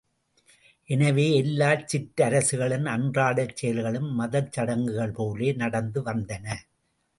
எனவே எல்லா சிற்றரசுகளின் அன்றாடச் செயல்களும் மதச் சடங்குகள் போலவே நடந்து வந்தன!